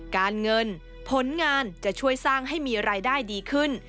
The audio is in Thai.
การเงินผลงานจะช่วยสร้างให้มีรายได้ดีขึ้น